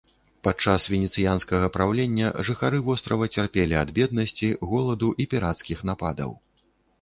Падчас венецыянскага праўлення, жыхары вострава цярпелі ад беднасці, голаду і пірацкіх нападаў.